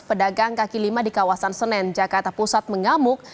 pedagang kaki lima di kawasan senen jakarta pusat mengamuk